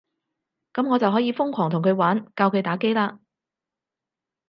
噉我就可以瘋狂同佢玩，教佢打機喇